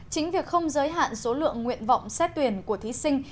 chính việc không giới hạn số lượng nguyện vọng xét tuyển của thí sinh